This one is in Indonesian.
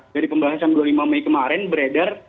dari pembahasan dua puluh lima mei kemarin beredar